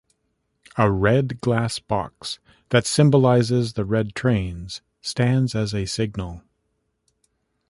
A red glass box, that symbolizes the red trains, stands as a "signal".